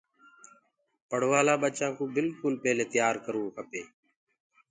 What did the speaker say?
پڙهآوآ لآ ٻچآن ڪو بِلڪُل پيلي تيآ ڪروو ڪپي